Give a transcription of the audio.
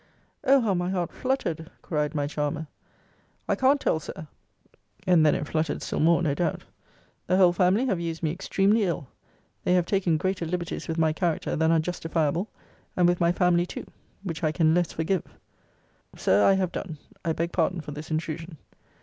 O how my heart fluttered! cried my charmer. I can't tell, Sir [and then it fluttered still more, no doubt:] The whole family have used me extremely ill. They have taken greater liberties with my character than are justifiable; and with my family too; which I can less forgive. Sir, Sir, I have done. I beg pardon for this intrusion.